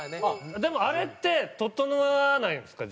でもあれってととのわないんですか？